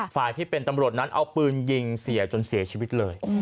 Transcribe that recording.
ฝ่ายที่เป็นตำรวจนั้นเอาปืนยิงเสียจนเสียชีวิตเลย